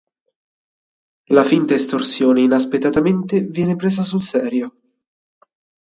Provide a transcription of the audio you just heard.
La finta estorsione inaspettatamente viene presa sul serio.